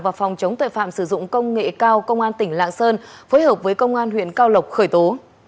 và phòng chống tội phạm sử dụng công nghệ cao công an tỉnh lạng sơn phối hợp với công an huyện cao lộc khởi tố